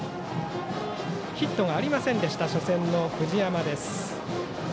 ヒットがありませんでした初戦の藤山です。